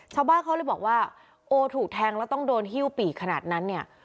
ชาวบ้านเขาเลยบอกว่าโอถูกแทงแล้วต้องโดนฮิ้วปีกขนาดนั้นเนี่ย